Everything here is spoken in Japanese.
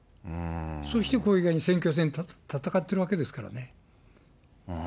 そしてこれ、選挙戦戦っているわけですからね。